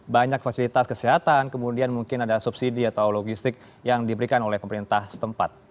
banyak fasilitas kesehatan kemudian mungkin ada subsidi atau logistik yang diberikan oleh pemerintah setempat